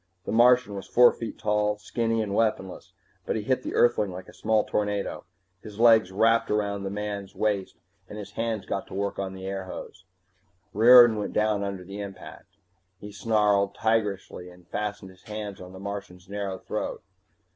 The Martian was four feet tall, and skinny and weaponless, but he hit the Earthling like a small tornado. His legs wrapped around the man's waist and his hands got to work on the airhose. Riordan went down under the impact. He snarled, tigerishly, and fastened his hands on the Martian's narrow throat.